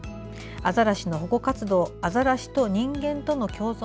アザラシの保護活動アザラシと人間との共存。